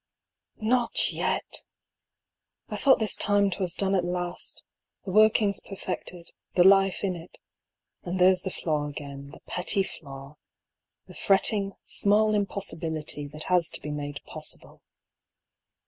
OT yet! I thought this time 'twas done at last, the workings perfected, the life in it; and there's the flaw again, the petty flaw, the fretting small impossibility that has to be made possible.